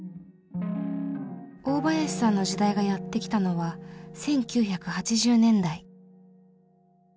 大林さんの時代がやって来たのは１９８０年代。